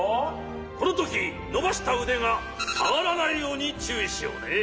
このときのばしたうでがさがらないようにちゅういしようね。